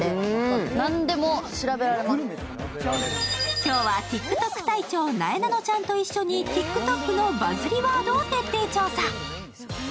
今日はＴｉｋＴｏｋ隊長・なえなのちゃんと一緒にＴｉｋＴｏｋのバズりワードを徹底調査。